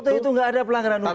foto itu gak ada pelanggaran hukum